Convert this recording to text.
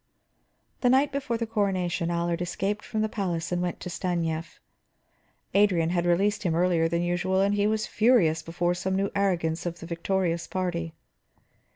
The night before the coronation, Allard escaped from the palace and went to Stanief. Adrian had released him earlier than usual, and he was furious before some new arrogance of the victorious party.